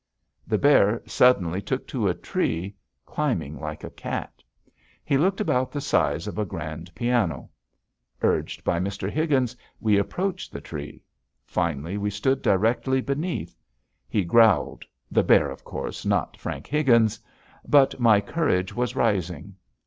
The bear suddenly took to a tree, climbing like a cat. He looked about the size of a grand piano. Urged by Mr. Higgins, we approached the tree. Finally we stood directly beneath. He growled the bear, of course, not Frank Higgins. But my courage was rising.